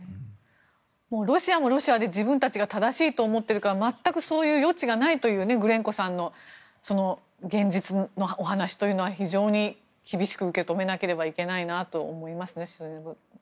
ロシアもロシアで自分たちが正しいと思ってるから全くそういう余地がないというグレンコさんの、現実のお話というのは非常に厳しく受け止めなければいけないなと思いますね。